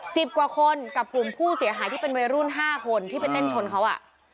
สิบกว่าคนกับกลุ่มผู้เสียหายที่เป็นวัยรุ่นห้าคนที่ไปเต้นชนเขาอ่ะ